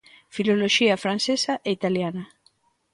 Filoloxía Francesa e Italiana.